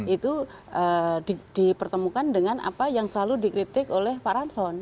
itu dipertemukan dengan apa yang selalu dikritik oleh pak ramson